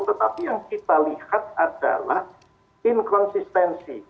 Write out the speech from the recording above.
tetapi yang kita lihat adalah inkonsistensi